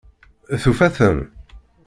Tufa-ten?